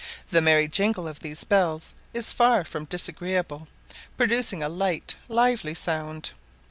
The merry jingle of these bells is far from disagreeable, producing a light, lively sound.